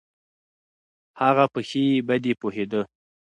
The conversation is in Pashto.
هغه په ښې بدې پوهېده.